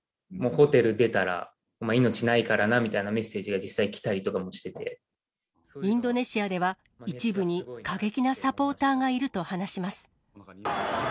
ホテル出たら、お前、もう命ないからなみたいなメッセージが、インドネシアでは、一部に過激なサポーターがいると話します。